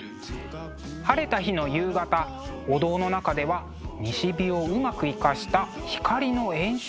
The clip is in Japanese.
晴れた日の夕方お堂の中では西日をうまく生かした光の演出が見られます。